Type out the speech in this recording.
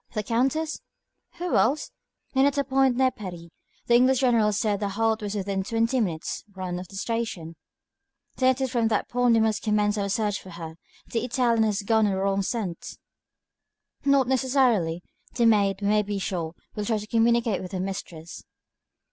"The Countess?" "Who else?" "And at a point near Paris. The English General said the halt was within twenty minutes' run of the station." "Then it is from that point we must commence our search for her. The Italian has gone on the wrong scent." "Not necessarily. The maid, we may be sure, will try to communicate with her mistress."